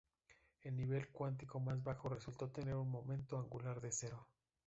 El nivel cuántico más bajo resultó tener un momento angular de cero.